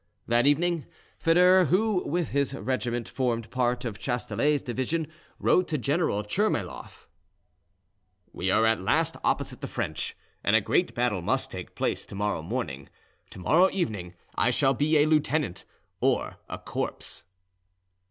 That evening, Foedor, who with his regiment formed part of Chasteler's division, wrote to General Tchermayloff: "We are at last opposite the French, and a great battle must take place to morrow morning; tomorrow evening I shall be a lieutenant or a corpse."